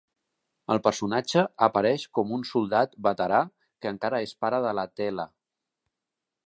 El personatge apareix com un soldat veterà que encara és pare de la Teela.